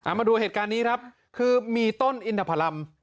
มาดูเหตุการณ์นี้ครับคือมีต้นอินทพรรม